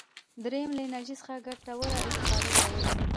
دریم له انرژي څخه ګټوره استفاده کول دي.